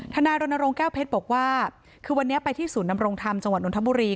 นายรณรงค์แก้วเพชรบอกว่าคือวันนี้ไปที่ศูนย์นำรงธรรมจังหวัดนทบุรี